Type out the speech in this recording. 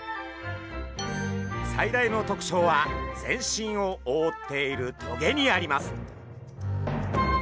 最大の特徴は全身をおおっている棘にあります。